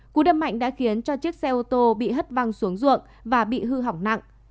cú đâm mạnh đã khiến cho chiếc xe ô tô bị hất văng xuống ruộng và bị hư hỏng nặng